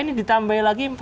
ini ditambah lagi